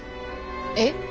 えっ！？